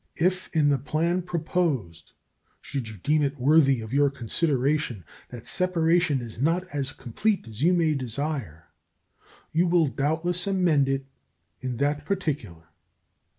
If in the plan proposed, should you deem it worthy of your consideration, that separation is not as complete as you may desire, you will doubtless amend it in that particular.